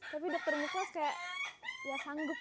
tapi dokter muka kayak ya sanggup